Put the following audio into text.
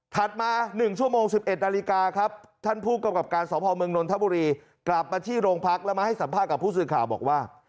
มา๑ชั่วโมง๑๑นาฬิกาครับท่านผู้กำกับการสพเมืองนนทบุรีกลับมาที่โรงพักแล้วมาให้สัมภาษณ์กับผู้สื่อข่าวบอกว่า